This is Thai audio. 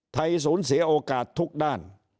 ไทยสูญเสียโอกาสทุกด้าน